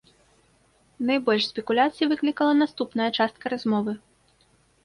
Найбольш спекуляцый выклікала наступная частка размовы.